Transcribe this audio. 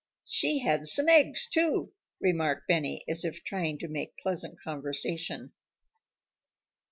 "She had some eggs, too," remarked Benny as if trying to make pleasant conversation.